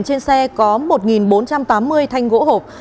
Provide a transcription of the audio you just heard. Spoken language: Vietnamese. trên xe có một bốn trăm tám mươi thanh gỗ hộp